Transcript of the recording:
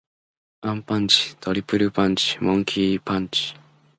アンパンチ。トリプルパンチ。モンキー・パンチ。